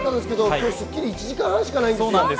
今日、『スッキリ』は１時間半しかないんです。